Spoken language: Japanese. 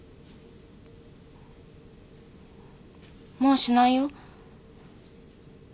もうしないよ。